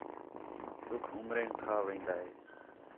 ݙُکھ عُمریک کھا وین٘دا ہے